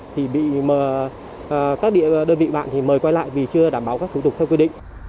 thì bị các đơn vị bạn thì mời quay lại vì chưa đảm bảo các thủ tục theo quy định